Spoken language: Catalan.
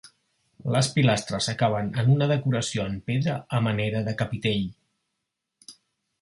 Les pilastres acaben en una decoració en pedra a manera de capitell.